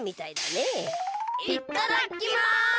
いっただっきます！